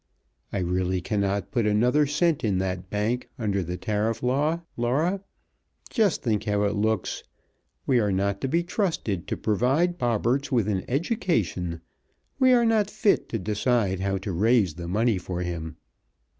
I really cannot put another cent in that bank under the tariff law, Laura. Just think how it looks we are not to be trusted to provide Bobberts with an education; we are not fit to decide how to raise the money for him.